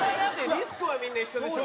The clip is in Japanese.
リスクはみんな一緒でしょ。